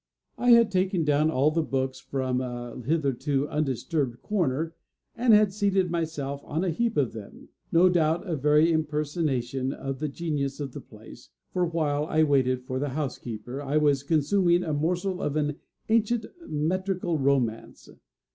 I had taken down all the books from a hitherto undisturbed corner, and had seated myself on a heap of them, no doubt a very impersonation of the genius of the place; for while I waited for the housekeeper, I was consuming a morsel of an ancient metrical romance.